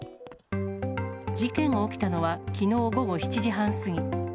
事件が起きたのは、きのう午後７時半過ぎ。